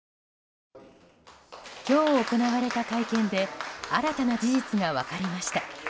今日、行われた会見で新たな事実が分かりました。